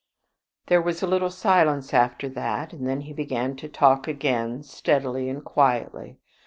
There was a little silence after that, and then he began to talk again, steadily and quietly.